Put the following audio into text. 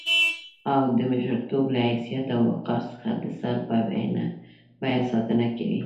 او د مشرتوب له حيثيت او وقار څخه د سر په بيه ساتنه کوي.